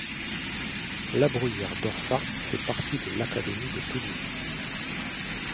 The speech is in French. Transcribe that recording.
Labruyère-Dorsa fait partie de l'académie de Toulouse.